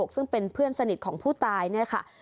ซึ่งเป็นเพื่อนสนิทของผู้ตายเนี่ยค่ะ